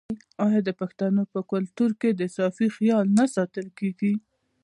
آیا د پښتنو په کلتور کې د صفايي خیال نه ساتل کیږي؟